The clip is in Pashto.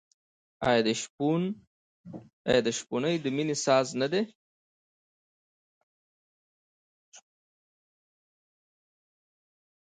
آیا د شپون نی د مینې ساز نه دی؟